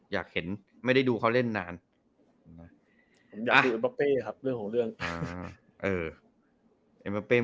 อยากเห็นไม่ได้ดูเขาเล่นนานผมอยากดูอปเป้ครับเรื่องของเรื่อง